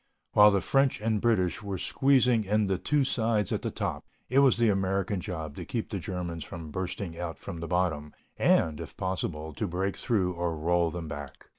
While the French and British were squeezing in the two sides at the top, it was the American job to keep the Germans from bursting out from the bottom, and, if possible, to break through or roll them back.